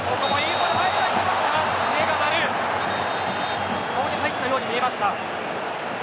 少し顔に入ったように見えました。